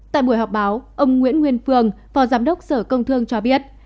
tại buổi họp báo ông nguyễn nguyên phương phó giám đốc sở công thương cho biết